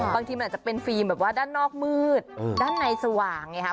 บางทีมันอาจจะเป็นฟิล์มแบบว่าด้านนอกมืดด้านในสว่างไงครับ